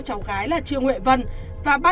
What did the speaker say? cháu gái là triều nguyễn vân và